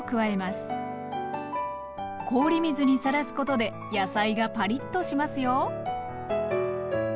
氷水にさらすことで野菜がパリッとしますよ。